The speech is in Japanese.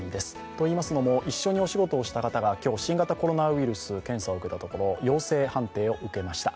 といいますのも、一緒にお仕事をした方が今日、新型コロナウイルス検査を受けたところ陽性判定を受けました。